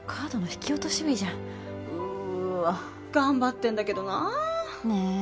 頑張ってんだけどな。ね。